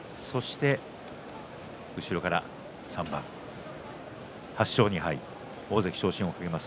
後ろから３番８勝２敗、大関昇進を懸けます